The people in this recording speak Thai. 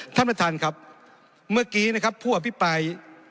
ท่านประธานครับเมื่อกี้นะครับผู้อภิปราย